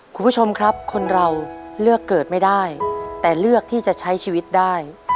คุณผู้ชมครับคนเราเลือกเกิดไม่ได้แต่เลือกที่จะใช้ชีวิตได้